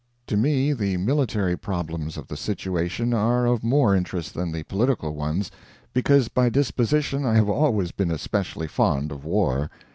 To me, the military problems of the situation are of more interest than the political ones, because by disposition I have always been especially fond of war.